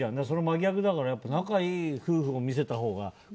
その真逆だから仲いい夫婦を見せたほうが。